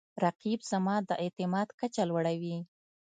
رقیب زما د اعتماد کچه لوړوي